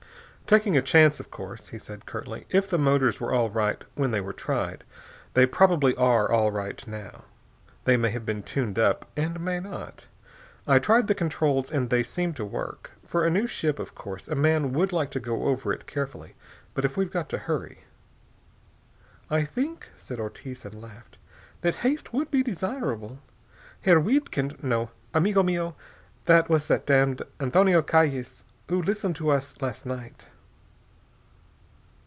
"Taking a chance, of course," he said curtly. "If the motors were all right when they were tried, they probably are all right now. They may have been tuned up, and may not. I tried the controls, and they seem to work. For a new ship, of course, a man would like to go over it carefully, but if we've got to hurry...." "I think," said Ortiz, and laughed, "that haste would be desirable. Herr Wiedkind No! Amigo mio, it was that damned Antonio Calles who listened to us last night.